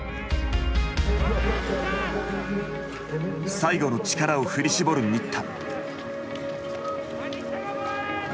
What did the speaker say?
最後の力を振り絞る新田。